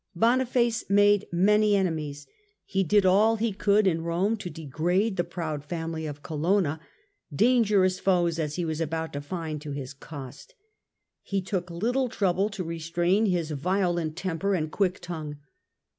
Boniface made many enemies ; he did all he could in Character Rome to degrade the proud family of Colonna — danger face viii. ous foes as he was to find to his cost. He took little trouble to restrain his violent temper and quick tongue.